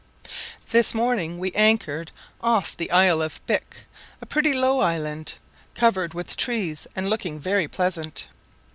This morning we anchored off the Isle of Bic, a pretty low island, covered with trees and looking very pleasant.